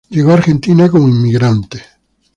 Llegó a Argentina como inmigrante.